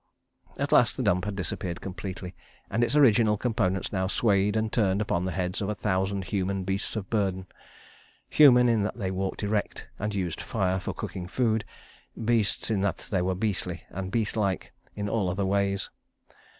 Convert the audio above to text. ... At last the dump had disappeared completely, and its original components now swayed and turned upon the heads of a thousand human beasts of burden—human in that they walked erect and used fire for cooking food; beasts in that they were beastly and beast like in all other ways.